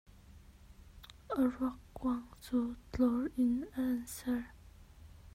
A ruakkuang cu tlor in an ser.